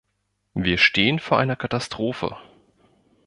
Wir stehen vor einer Katastrophe.